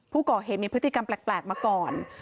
ผู้ก่อเหตุมีพฤติกรรมแปลกมาก่อน